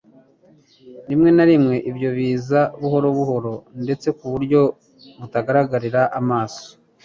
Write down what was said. Rimwe na rimwe ibyo biza buhoro buhoro ndetse ku buryo butagaragarira amaso.